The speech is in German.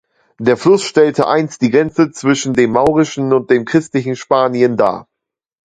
Der Fluss stellte einst die Grenze zwischen dem maurischen und dem christlichen Spanien dar.